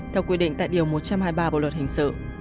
theo quy định tại điều một trăm hai mươi ba bộ luật hình sự